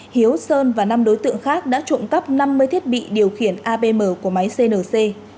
hiếu sơn và năm đối tượng khác đã trộm cắp năm mươi thiết bị điều khiển apm của máy cnc